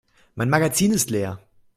Mein Magazin ist leer.